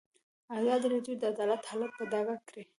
ازادي راډیو د عدالت حالت په ډاګه کړی.